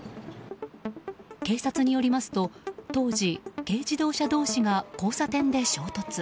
警察によりますと当時、軽自動車同士が交差点で衝突。